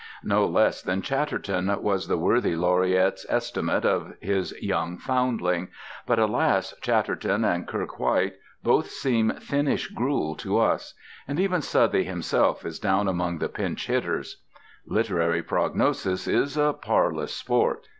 No less than Chatterton was the worthy laureate's estimate of his young foundling; but alas! Chatterton and Kirke White both seem thinnish gruel to us; and even Southey himself is down among the pinch hitters. Literary prognosis is a parlous sport.